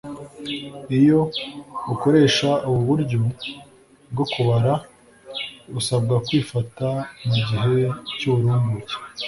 iyo ukoresha ubu buryo bwo kubara usabwa kwifata mu gihe cy'uburumbuke